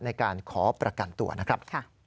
ในการขอประกันตัวนะครับ